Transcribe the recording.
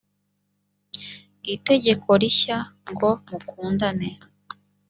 itegeko rishya ngo mukundane